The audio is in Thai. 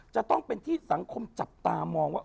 จะไม่เป็นที่สังคมต้องจับตามงว่า